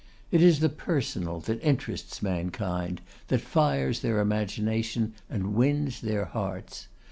It is the personal that interests mankind, that fires their imagination, and wins their hearts.